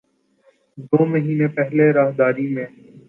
دو مہینے پہلے راہداری میں